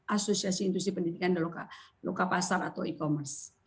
asosiasi intusi pendidikan dan loka pasar atau e commerce